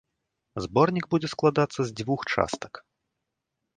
Зборнік будзе складацца з дзвюх частак.